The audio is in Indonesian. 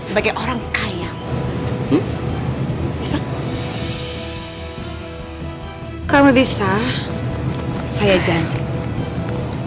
sampai akhirnya aku ehil kalau apanya punya nape metre